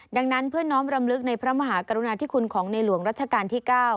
ดังนั้นเพื่อน้อมรำลึกในพระมหากรุณาธิคุณของในหลวงรัชกาลที่๙